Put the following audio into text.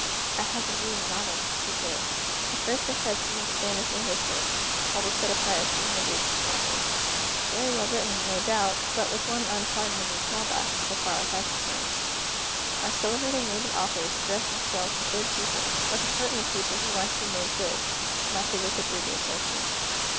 I have been reading novels in secret. At first I tried some of the famous English works, published at a price within the reach of small purses. Very well written, no doubt but with one unpardonable drawback, so far as I am concerned. Our celebrated native authors address themselves to good people, or to penitent people who want to be made good; not to wicked readers like me.